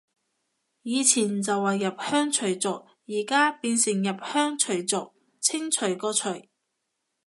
以前就話入鄉隨俗，而家變成入鄉除族，清除個除